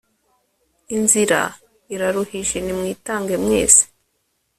Inzira iraruhije nimwitange mwese